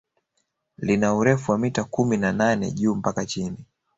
Lina urefu wa mita kumi na nane juu mpaka chini